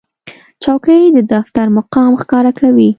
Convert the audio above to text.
چوکۍ د دفتر مقام ښکاره کوي.